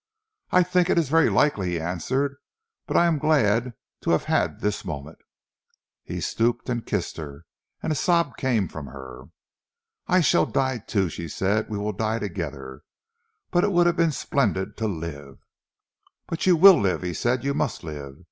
"I think it is very likely," he answered. "But I am glad to have had this moment." He stooped and kissed her, and a sob came from her. "I shall die too!" she said. "We will die together but it would have been splendid to live." "But you will live," he said. "You must live.